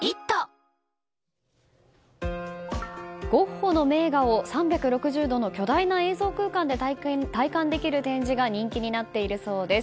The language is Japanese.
ゴッホの名画を３６０度の巨大な映像空間で体感できる展示が人気になっているそうです。